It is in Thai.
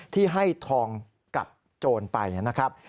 ที่ให้ทองกับโจรไปนะครับ